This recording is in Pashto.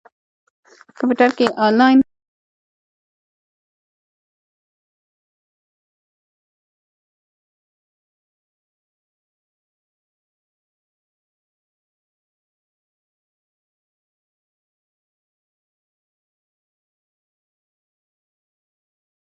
زما پلار هلته له سوداګرو سره شریکان درلودل